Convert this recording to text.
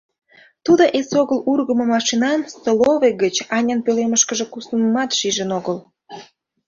Тудо эсогыл ургымо машинан столовый гыч Анян пӧлемышкыже куснымымат шижын огыл.